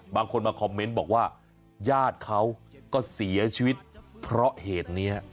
บางคนมาคอมเมนต์บอกว่าญาติเขาก็เสียชีวิตเพราะเหตุนี้